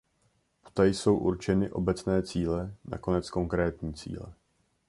Poté jsou určeny obecné cíle nakonec konkrétní cíle.